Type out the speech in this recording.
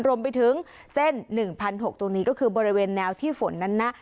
รมไปถึงเส้นหนึ่งพันหกตรงนี้ก็คือบริเวณแนวที่ฝนนั้นนะ